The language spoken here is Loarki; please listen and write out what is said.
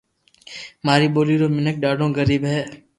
ماري ٻولي رو مينک ڌاڌو غريب ھي